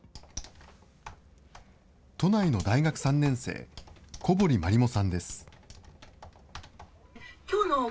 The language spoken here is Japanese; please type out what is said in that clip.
都内の大学３年生、小堀まりもさんです。